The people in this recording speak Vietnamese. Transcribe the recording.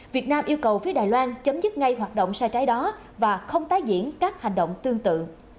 việt nam yêu cầu phía đài loan chấm dứt ngay hoạt động sai trái đó và không tái diễn các hành động tương tự